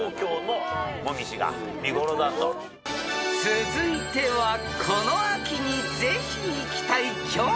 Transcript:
［続いてはこの秋にぜひ行きたい京都から］